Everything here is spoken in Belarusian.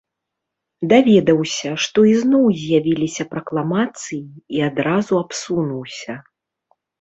Даведаўся, што ізноў з'явіліся пракламацыі, і адразу абсунуўся.